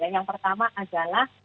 yang pertama adalah